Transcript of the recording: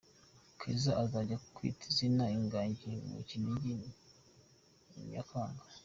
Keza azajya kwita izina ingagi mu kinigi nyakanga.